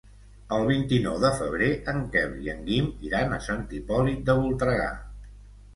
El vint-i-nou de febrer en Quel i en Guim iran a Sant Hipòlit de Voltregà.